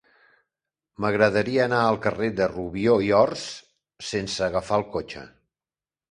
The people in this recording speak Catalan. M'agradaria anar al carrer de Rubió i Ors sense agafar el cotxe.